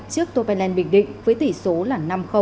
trước topelec bình định với tỷ số là năm